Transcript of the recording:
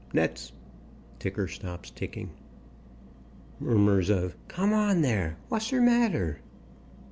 NETS..... (Ticker stops ticking). Murmurs of "Come on, there, whasser matter?"